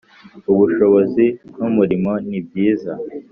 ubushobozi n umurimo nibyiza